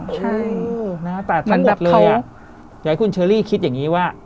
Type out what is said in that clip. ใช่แต่เลยอยากให้คุณเชอรี่คิดอย่างนี้ว่า